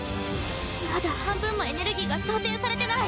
まだ半分もエネルギーが装てんされてない！